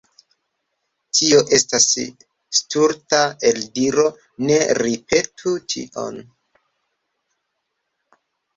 Tio estas stulta eldiro, ne ripetu tion.